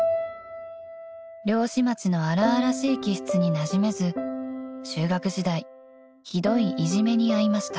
［漁師町の荒々しい気質になじめず中学時代ひどいいじめに遭いました］